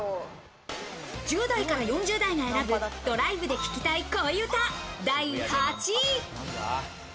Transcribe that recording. １０代から４０代が選ぶドライブで聞きたい恋うた第８位。